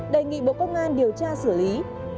đề nghị bộ công an điều tra xử lý